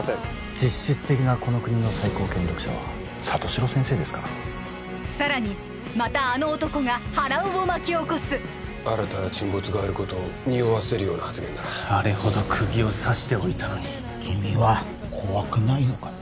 実質的なこの国の最高権力者は里城先生ですから更にまたあの男が波乱を巻き起こす新たな沈没があることをにおわせるような発言だなあれほどくぎを刺しておいたのに君は怖くないのかね？